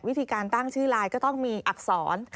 วิธีการตั้งชื่อไลน์ก็ต้องมีอักษร